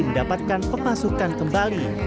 mendapatkan pemasukan kembali